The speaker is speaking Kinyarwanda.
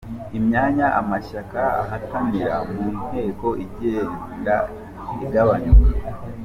imyanya amashyaka ahatanira mu nteko igenda igabanyuka